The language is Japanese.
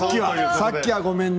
さっきは、ごめんね。